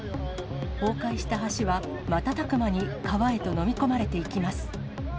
崩壊した橋は、瞬く間に川へと飲み込まれていきます。